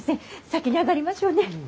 先に上がりましょうね。